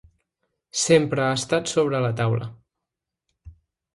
Sempre ha estat sobre la taula.